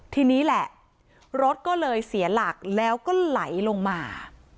ทีนี้แหละรถก็เลยเสียหลักแล้วก็ไหลลงมา